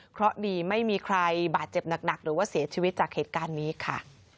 เพราะดีไม่มีใครบาดเจ็บหนักหรือว่าเสียชีวิตจากเหตุการณ์นี้ค่ะ